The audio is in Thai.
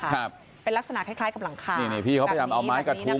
ครับเป็นลักษณะคล้ายคล้ายกับหลังคานี่นี่พี่เขาพยายามเอาไม้กระทู้